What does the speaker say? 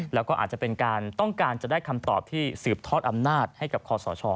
แล้วก็อาจจะเป็นการต้องการจะได้คำตอบที่สืบทอดอำนาจให้กับคอสช